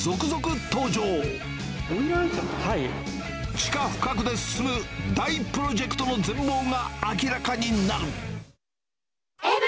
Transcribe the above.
地下深くで進む、大プロジェクトの全貌が明らかになる。